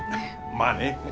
まあね。